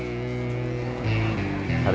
ini dia kan